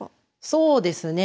そうですね。